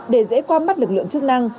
để dễ qua mắt lực lượng chức năng